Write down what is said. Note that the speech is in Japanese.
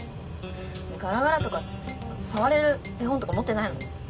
ガラガラとか触れる絵本とか持ってないの？